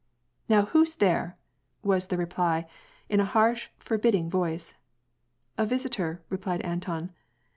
" Now who's there ?" was the reply, in a harsh, forbidding voice. " A visitor," replied Anton.